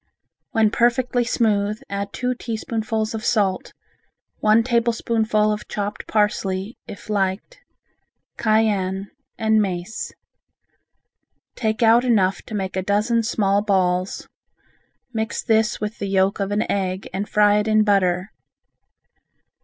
When perfectly smooth, add two teaspoonfuls of salt, one tablespoonful of chopped parsley (if liked), cayenne and mace. Take out enough to make a dozen small balls, mix this with the yolk of an egg and fry it in butter.